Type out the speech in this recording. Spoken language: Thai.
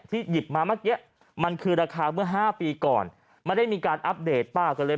หยิบมาเมื่อกี้มันคือราคาเมื่อ๕ปีก่อนไม่ได้มีการอัปเดตป้าก็เลย